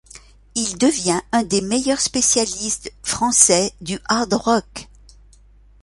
Il devient un des meilleurs spécialistes français du hard-rock.